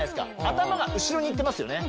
頭が後ろに行ってますよね